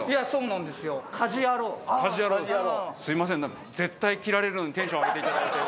なんか絶対切られるのにテンション上げていただいて。